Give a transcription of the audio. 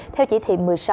theo chỉ thị một mươi sáu